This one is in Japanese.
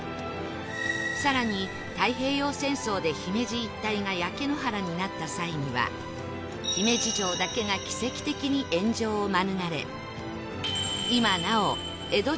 更に太平洋戦争で姫路一帯が焼け野原になった際には姫路城だけが奇跡的に炎上を免れ